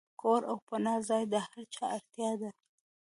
کور او پناه ځای د هر چا اړتیا ده.